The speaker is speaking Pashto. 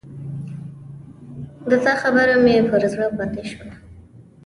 د تا خبره مې پر زړه پاته شوه